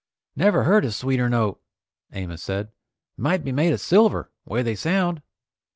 "Never heard a sweeter note," Amos said. "Might be made of silver, 'way they sound."